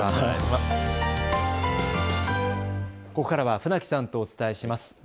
ここからは船木さんとお伝えします。